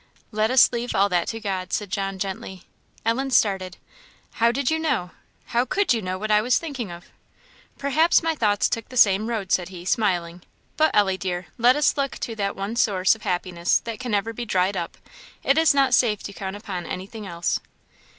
"Let us leave all that to God," said John, gently. Ellen started. "How did you know, how could you know what I was thinking of?" "Perhaps my thoughts took the same road," said he, smiling. "But, Ellie, dear, let us look to that one source of happiness that can never be dried up; it is not safe to count upon anything else."